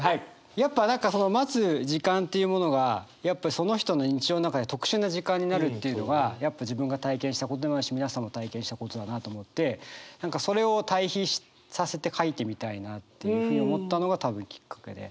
やっぱ何かその待つ時間っていうものがやっぱりその人の日常の中で特殊な時間になるっていうのがやっぱ自分が体験したことでもあるし皆さんも体験したことだなと思って何かそれを対比させて書いてみたいなっていうふうに思ったのが多分きっかけで。